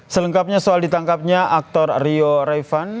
selengkapnya soal ditangkapnya aktor rio raivan